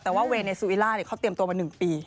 แต่ว่าเวย์ในซูอิล่าเขาเตรียมตัวมา๑ปี